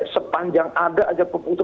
sepanjang ada aja pupuk itu